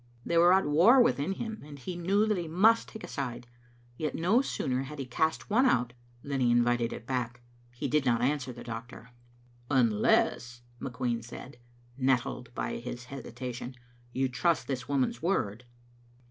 They were at war within him, and he knew that he, must take a side, yet no sooner had he cast one out than he invited it back. He did not answer the doctor. "Unless," McQueen said, nettled by his hesitation, "you trust this woman's word."